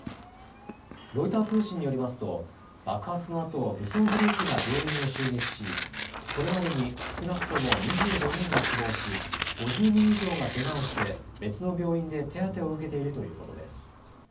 ロイター通信によりますと、爆発のあと、武装グループが病院を襲撃し、これまでに少なくとも２５人が死亡し、５０人以上がけがをして、別の病院で手当てを受けているということです。